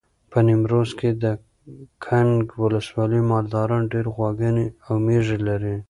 په نیمروز کې د کنگ ولسوالۍ مالداران ډېر غواګانې او مېږې لري.